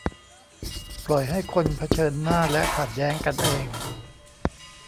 ปล่อยให้คนเผชิญหน้าและขัดแย้งกันเอง